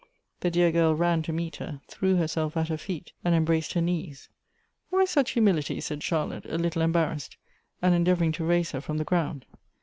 The dear girl ran to meet her, threw herself at her feet, and em braced her knees. .' Why such humility ?" said Charlotte, a little embar raseed, and endeavoring to raise her from the ground.